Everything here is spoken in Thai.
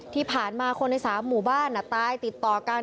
ที่ผ่านมาคนใน๓หมู่บ้านตายติดต่อกัน